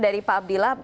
dari pak abdillah